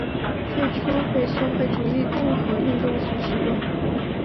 最初被社会主义共和运动所使用。